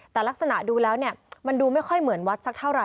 แต่ลักษณะดูแล้วเนี่ยมันดูไม่ค่อยเหมือนวัดสักเท่าไห